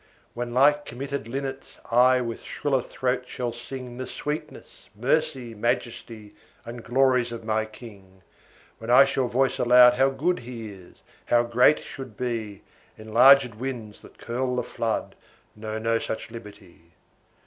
When (like committed linnets) I With shriller throat shall sing The sweetness, mercy, majesty, And glories of my king; When I shall voice aloud how good He is, how great should be, Enlarged winds, that curl the flood, Know no such liberty.